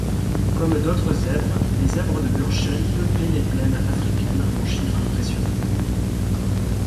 Comme d'autres zèbres, les zèbres de Burchell peuplaient les plaines africaines en chiffres impressionnants.